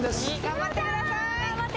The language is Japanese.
頑張ってください！